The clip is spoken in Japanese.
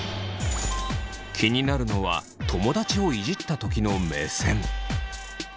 気になるのは友達をイジったときの目線。